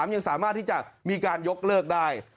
ยังสามารถที่จะมีการยกเลิกได้